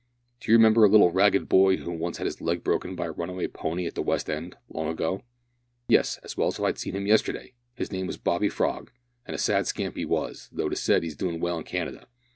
"Do you remember a little ragged boy who once had his leg broken by a runaway pony at the West end long ago?" "Yes, as well as if I'd seen him yesterday. His name was Bobby Frog, and a sad scamp he was, though it is said he's doing well in Canada."